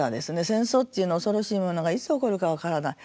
戦争という恐ろしいものがいつ起こるか分からない。